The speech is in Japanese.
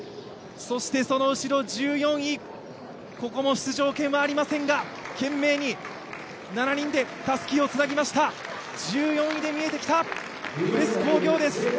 そして、その後ろ１４位ここも出場権はありませんが懸命に７人でたすきをつなぎました１４位で見えてきたプレス工業です。